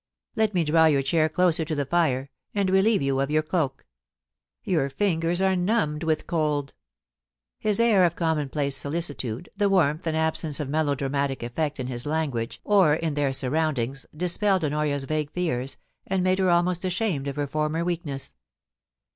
Let me draw your chair closer to the fire, and relieve you of your cloak. Your fingers are numbed with cold.' His air of commonplace solicitude, the warmth and absence of melodramatic effect in his language or in their surroundings, dispelled Honoria's vague fears, and made her almost ashamed of her former weakness.